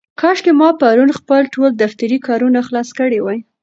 کاشکې ما پرون خپل ټول دفترې کارونه خلاص کړي وای.